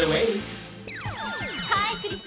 ハーイクリス！